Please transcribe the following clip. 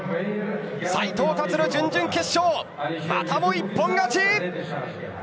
斉藤立、準々決勝またも一本勝ち。